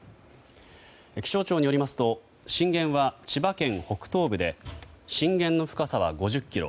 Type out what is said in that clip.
気象庁によりますと震源は千葉県北東部で震源の深さは５０ｋｍ。